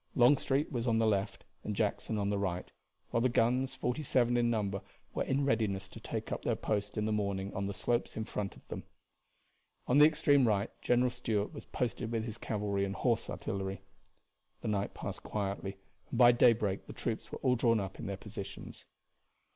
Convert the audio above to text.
Longstreet was on the left and Jackson on the right, while the guns, forty seven in number, were in readiness to take up their post in the morning on the slopes in front of them. On the extreme right General Stuart was posted with his cavalry and horse artillery. The night passed quietly and by daybreak the troops were all drawn up in their positions.